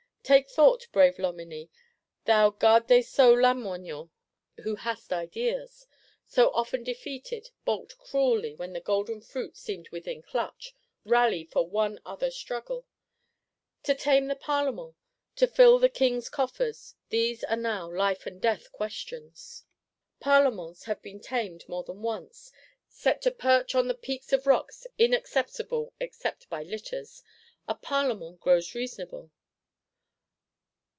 Take thought, brave Loménie; thou Garde des Sceaux Lamoignon, who hast ideas! So often defeated, balked cruelly when the golden fruit seemed within clutch, rally for one other struggle. To tame the Parlement, to fill the King's coffers: these are now life and death questions. Parlements have been tamed, more than once. Set to perch "on the peaks of rocks in accessible except by litters," a Parlement grows reasonable.